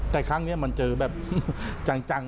แต่ครั้งนี้มันเจอแบบจังไปน้อย